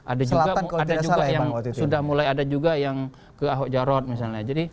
ada juga ada juga yang sudah mulai ada juga yang ke ahok jarot misalnya